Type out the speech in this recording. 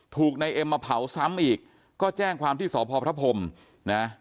นายเอ็มมาเผาซ้ำอีกก็แจ้งความที่สพพระพรมนะ